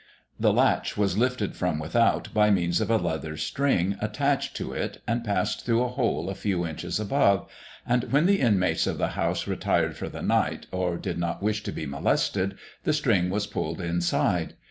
The latch was lifted from without by means of a leather string attached to it and passed through a hole a few inches above, and when the inmates of the house retired for the night, or did not wish to be molested, the string was pulled inside.